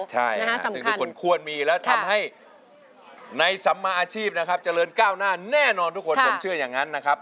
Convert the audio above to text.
ใช่ซึ่งทุกคนควรมีและทำให้ในสัมมาอาชีพนะครับเจริญก้าวหน้าแน่นอนทุกคนผมเชื่ออย่างนั้นนะครับ